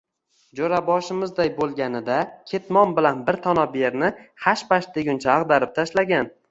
Jo‘raboshimizday bo‘lganida ketmon bilan bir tanob yerni hashpash deguncha ag‘darib tashlagan.